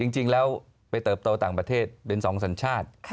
จริงแล้วไปเติบโตต่างประเทศเป็น๒สัญชาติ